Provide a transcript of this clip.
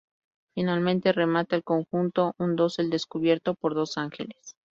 Finalmente, remata el conjunto un dosel descubierto por dos ángeles.